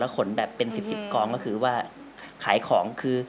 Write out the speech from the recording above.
ขนแบบเป็น๑๐กองก็คือว่าขายของคือ